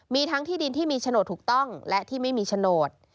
มีทั้งที่ดินที่มีโฉนดถูกต้องและที่ไม่มีโฉนด